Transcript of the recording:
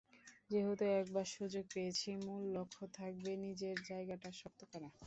যেহেতু একবার সুযোগ পেয়েছি, মূল লক্ষ্য থাকবে নিজের জায়গাটা শক্ত করা।